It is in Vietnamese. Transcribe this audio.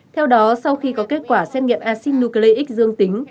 theo đó sau khi có kết quả xét nghiệm acid nucleic dương tính